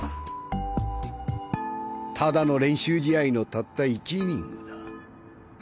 ただの練習試合のたった１イニングだ。